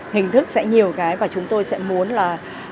hình thức sẽ nhiều cái và chúng tôi sẽ muốn là